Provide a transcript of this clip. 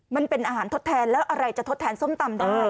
มันเป็นอาหารทดแทนแล้วอะไรจะทดแทนส้มตำได้